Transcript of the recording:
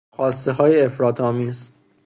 خواستههای افراط آمیز